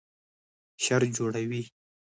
شر جوړوي